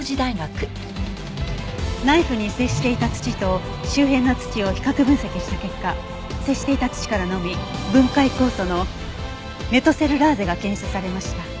ナイフに接していた土と周辺の土を比較分析した結果接していた土からのみ分解酵素のメトセルラーゼが検出されました。